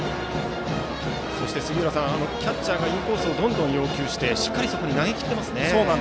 キャッチャーがインコースをどんどん要求してしっかりそこに投げ切っていますね。